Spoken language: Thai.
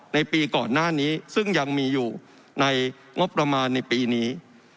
ในปีก่อนหน้านี้ซึ่งยังมีอยู่ในงบประมาณในปีนี้